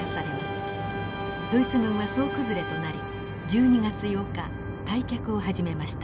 ドイツ軍は総崩れとなり１２月８日退却を始めました。